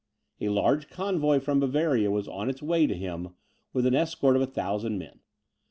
A large convoy from Bavaria was on its way to him, with an escort of a thousand men.